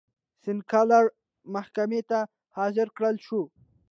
سینکلر محکمې ته حاضر کړل شو.